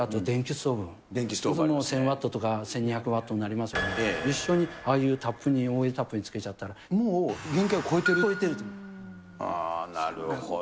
そうするとそれで１０００ワットとか１２００ワットになりますので、一緒にああいうＯＡタップにつけちゃったら、もう限界を超えなるほど。